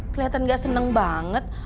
keliatan gak seneng banget